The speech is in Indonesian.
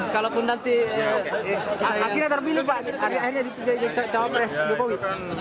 kalaupun nanti akhirnya terpilih pak akhirnya dipilih jadi cawapres jokowi